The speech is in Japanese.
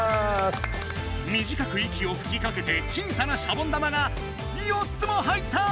みじかく息をふきかけて小さなシャボン玉が４つも入った！